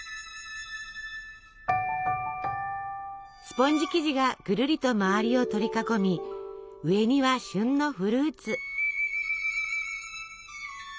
スポンジ生地がぐるりと周りを取り囲み上には旬のフルーツ。